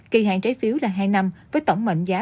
kỳ hạn trái phiếu là hai năm với tổng mệnh giá